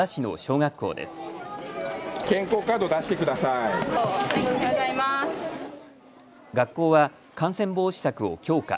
学校は感染防止策を強化。